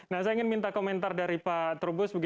nah saya ingin minta komentar dari pak trubus